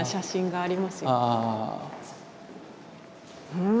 うん。